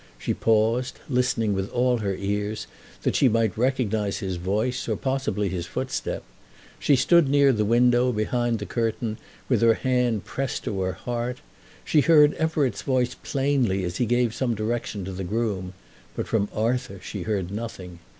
She paused, listening with all her ears, that she might recognise his voice, or possibly his footstep. She stood near the window, behind the curtain, with her hand pressed to her heart. She heard Everett's voice plainly as he gave some direction to the groom, but from Arthur she heard nothing.